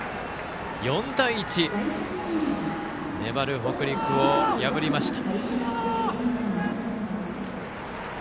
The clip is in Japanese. ４対１、粘る北陸を破りました。